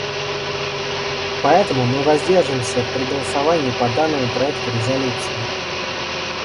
Поэтому мы воздержимся при голосовании по данному проекту резолюции.